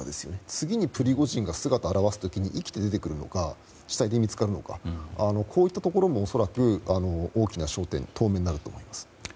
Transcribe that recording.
次にプリゴジンが姿を現す時に生きて出てくるのか死体で見つかるのかこういったところも、当面の大きな焦点になると思います。